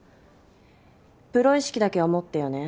プロ意識だけは持ってよね。